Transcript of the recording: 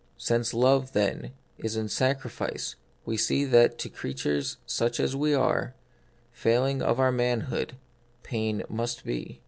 Since love, then, is in sacrifice, we see that to creatures such as we are, failing of our manhood, pain must be.